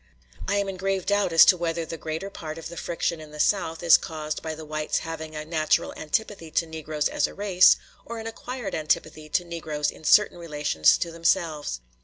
I am in grave doubt as to whether the greater part of the friction in the South is caused by the whites' having a natural antipathy to Negroes as a race, or an acquired antipathy to Negroes in certain relations to themselves.